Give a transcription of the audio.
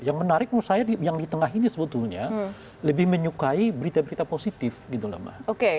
yang menarik menurut saya yang di tengah ini sebetulnya lebih menyukai berita berita positif gitu loh mbak